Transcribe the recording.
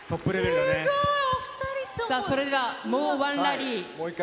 さあ、それではもうワンラリー。